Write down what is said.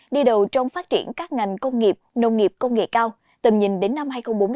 đi đầu trong phát triển các ngành công nghiệp nông nghiệp công nghệ cao tầm nhìn đến năm hai nghìn bốn mươi